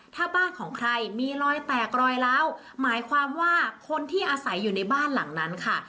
ถ้าบ้านของใครมีรอยแตกรอยล้าวหมายความว่าคนที่อาศัยอยู่ในบ้านหลังนั้นค่ะ